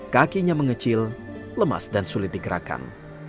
kakinya mengecil lemas dan sulit digerakkan